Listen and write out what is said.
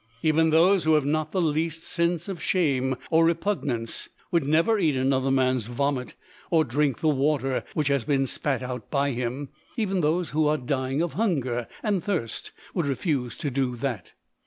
Even those who have not the least sense of shame or repugnance would never eat another man's vomit, or drink the water which has been spat out by him; even those who are dying of hunger and thirst would refuse to do it.